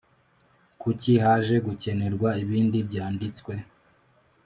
Kuki haje gukenerwa ibindi Byanditswe